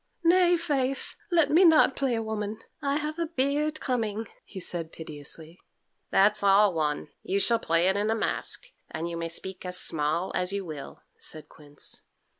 "Nay, faith, let me not play a woman; I have a beard coming," he said piteously. "That's all one; you shall play it in a mask, and you may speak as small as you will," said Quince.